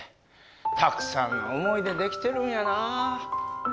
たくさんの思いでできてるんやなぁ。